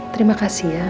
terima kasih ya